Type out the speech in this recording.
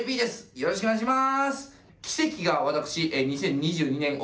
よろしくお願いします。